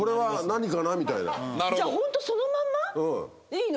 じゃあホントそのまんまでいいの？